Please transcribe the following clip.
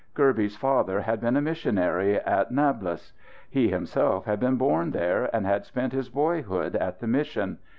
Kirby's father had been a missionary, at Nablous. He himself had been born there, and had spent his boyhood at the mission.